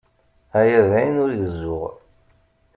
Aya d ayen ur gezzuɣ.